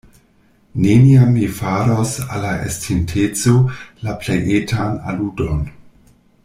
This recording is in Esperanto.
Neniam mi faros al la estinteco la plej etan aludon.